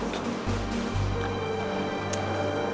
apakah harus gue yang dimaksud ini